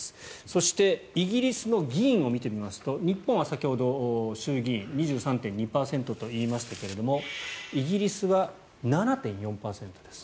そしてイギリスの議員を見てみますと日本は先ほど衆議院２３．２％と言いましたけれどもイギリスは７．４％です。